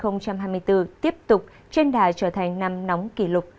năm hai nghìn hai mươi bốn tiếp tục trên đà trở thành năm nóng kỷ lục